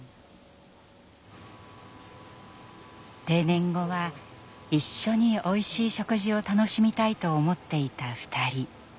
定年後は一緒においしい食事を楽しみたいと思っていた２人。